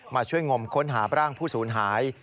ช่วยงมค้นหาร่างผู้สูญหาย